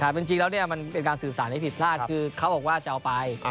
จริงแล้วมันเป็นการสื่อสารที่ผิดพลาดคือเขาบอกว่าจะเอาไป